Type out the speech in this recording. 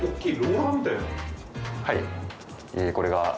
はい。